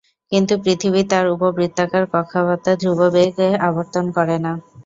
কিন্তু পৃথিবী তার উপবৃত্তাকার কক্ষপথে ধ্রুব বেগে আবর্তন করে না।